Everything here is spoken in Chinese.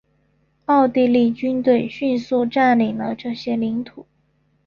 奥地利军队迅速占领了这些领土。